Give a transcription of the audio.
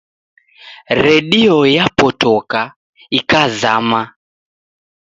Redio yapotoka ikazama